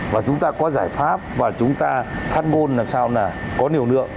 và chúng ta có giải pháp và chúng ta phát ngôn làm sao là có liều lượng